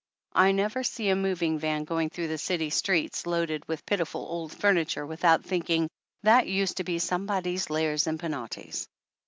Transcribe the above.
I never see a moving van going through the city streets loaded with pitiful old furniture with out thinking "That used to be somebody's Lares and Penates